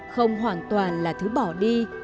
không hoàn toàn là thứ bỏ đi